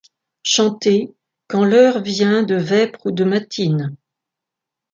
Chanter, quand l’heure vient de vêpre ou de matines